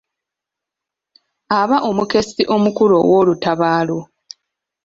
Aba omukessi omukulu ow'olutabaalo.